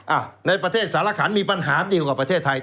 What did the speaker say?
อ่ะในประเทศสารขันมีปัญหาเดียวกับประเทศไทย